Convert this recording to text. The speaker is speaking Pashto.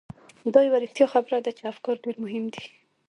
دا یوه رښتیا خبره ده چې افکار ډېر مهم دي.